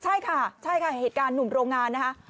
ใช่ค่ะใช่ค่ะเหตุการณ์หนุ่มโรงงานนะคะ